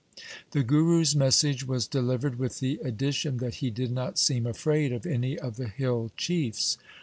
The Guru's message was delivered with the addi tion that he did not seem afraid of any of the hill chiefs.